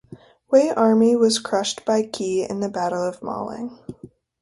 Wei army was crushed by Qi in the Battle of Maling.